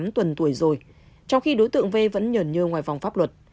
hai mươi tám tuần tuổi rồi trong khi đối tượng v vẫn nhờn nhơ ngoài vòng pháp luật